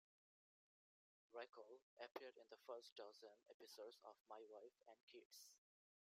Raycole appeared in the first dozen episodes of "My Wife and Kids".